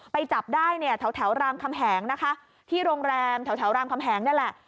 ไปจับได้แถวรามคำแหงที่โรงแรมแถวรามคำแหงนั่นแหละ